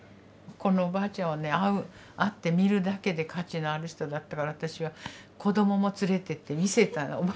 このおばあちゃんはね会ってみるだけで価値のある人だったから私は子どもも連れていって見せたの。